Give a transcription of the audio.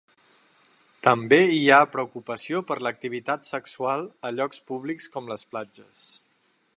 També hi ha preocupació per l'activitat sexual a llocs públics com les platges.